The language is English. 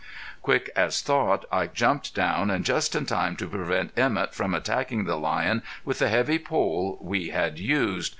Quick as thought I jumped down, and just in time to prevent Emett from attacking the lion with the heavy pole we had used.